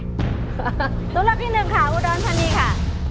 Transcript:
ตัวเลือกที่หนึ่งค่ะอุดรธานีค่ะ